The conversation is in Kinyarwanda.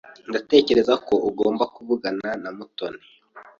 Ndatekereza ko ugomba kuvugana na Mutoni.